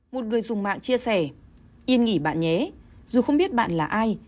một người dùng mạng chia sẻ yên nghỉ bạn nhé dù không biết bạn là ai